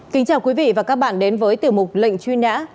kính chào quý vị và các bạn đến với tiểu mục lệnh truy nã